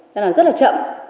là rất là chậm